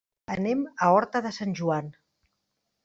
Anem a Horta de Sant Joan.